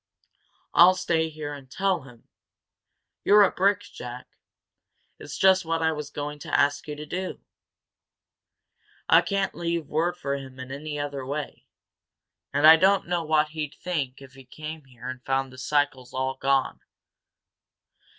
"I'll stay here and tell him " "You're a brick, Jack! It's just what I was going to ask you to do. I can't leave word for him any other way, and I don't know what he'd think if he came here and found the cycles and all gone.